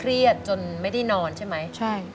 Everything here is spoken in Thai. อเรนนี่คือเหตุการณ์เริ่มต้นหลอนช่วงแรกแล้วมีอะไรอีก